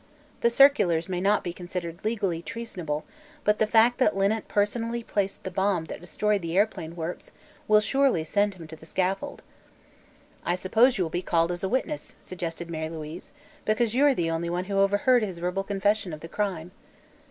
The circulars may not be considered legally treasonable, but the fact that Linnet personally placed the bomb that destroyed the airplane works will surely send him to the scaffold." "I suppose you will be called as a witness," suggested Mary Louise, "because you are the only one who overheard his verbal confession of the crime."